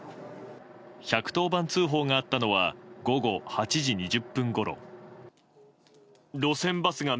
１１０番通報があったのは午後８時２０分ごろ。